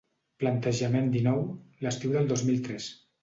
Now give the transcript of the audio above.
Plantejament dinou l'estiu del dos mil tres.